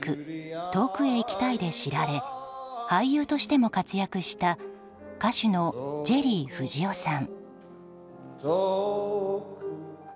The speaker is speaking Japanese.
「遠くへ行きたい」で知られ俳優としても活躍した歌手のジェリー藤尾さん。